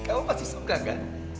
kamu pasti suka gak